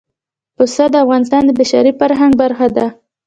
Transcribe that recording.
پسه د افغانستان د بشري فرهنګ برخه ده.